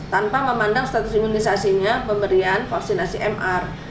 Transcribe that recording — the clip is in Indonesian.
tanpa memandang status imunisasinya pemberian vaksinasi mr